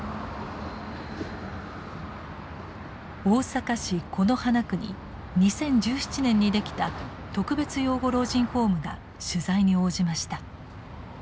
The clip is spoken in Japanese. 大阪市此花区に２０１７年にできた特別養護老人ホームが取材に応じました。